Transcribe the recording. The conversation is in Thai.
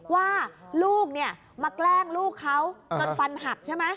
ว่าลูกเนี่ยมาแกล้งลูกเขาจนฟันหักใช่ไหม